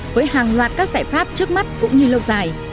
với hàng loạt các giải pháp trước mắt cũng như lâu dài